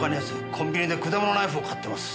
コンビニで果物ナイフを買ってます。